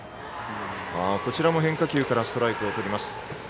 こちらも変化球からストライクをとります。